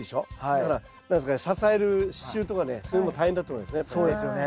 だから何ですかね支える支柱とかねそういうのも大変だと思いますね。